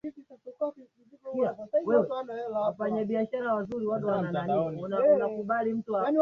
Engai Engai ni Mungu mmoja mwenye asili mbili Engai Narok Mungu Mweusi ana huruma